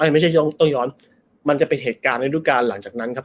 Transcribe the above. ไม่ใช่ต้องย้อนมันจะเป็นเหตุการณ์ในรูปการณ์หลังจากนั้นครับ